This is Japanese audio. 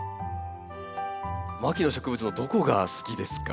牧野植物のどこが好きですか？